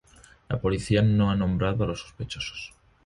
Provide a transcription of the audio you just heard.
La policía no ha nombrado a los sospechosos.